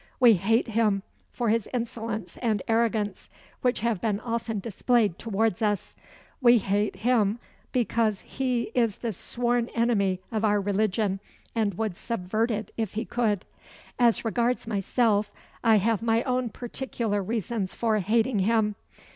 We hate him for his insolence and arrogance, which have been often displayed towards us; We hate him because he is the sworn enemy of our religion, and would subvert it if he could. As regards myself, I have my own particular reasons for hating him.